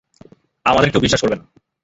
আমাদেরও কেউ বিশ্বাস করবে না।